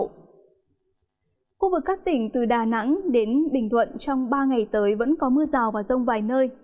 khu vực các tỉnh từ đà nẵng đến bình thuận trong ba ngày tới vẫn có mưa rào và rông vài nơi